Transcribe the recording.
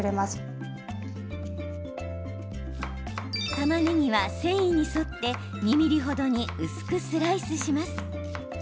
たまねぎは、繊維に沿って２ｍｍ程に薄くスライスします。